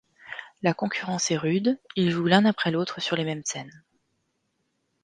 La concurrence est rude, ils jouent l'un après l'autre sur les mêmes scènes.